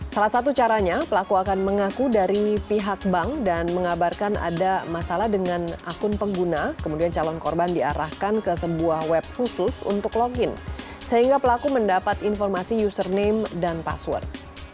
salah satu caranya pelaku akan mengaku dari pihak bank dan mengabarkan ada masalah dengan akun pengguna kemudian calon korban diarahkan ke sebuah web khusus untuk login sehingga pelaku mendapat informasi username dan password